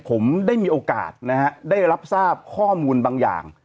ผมได้มีโอกาสนะฮะได้รับทราบข้อมูลบางอย่าง